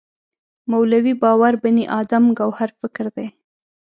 مولوی باور بني ادم ګوهر فکر دی.